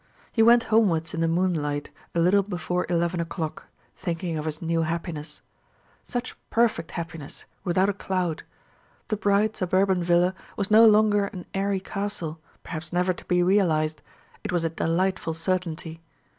He went homewards in the moonlight a little before eleven o'clock, thinking of his new happiness such perfect happiness, without a cloud. The bright suburban villa was no longer an airy castle, perhaps never to be realized; it was a delightful certainty.